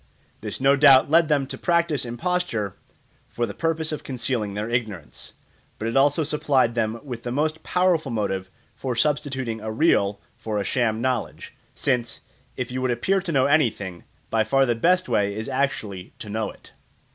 This no doubt led them to practise imposture for the purpose of concealing their ignorance; but it also supplied them with the most powerful motive for substituting a real for a sham knowledge, since, if you would appear to know anything, by far the best way is actually to know it.